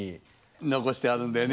残してあるんだよね